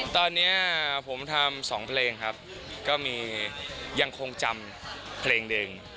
ตอนเนี้ยผมทำสองเพลงครับก็มียังคงจำเพลงเดิม